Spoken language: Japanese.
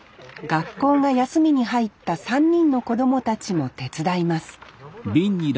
学校が休みに入った３人の子供たちも手伝います